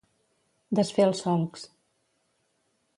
Desfer els solcs.